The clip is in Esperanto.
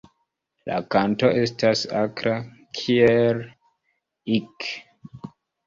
La kanto estas akra "kieerr-ik".